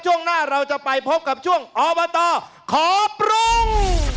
ช่วงหน้าเราจะไปพบกับช่วงอบตขอปรุง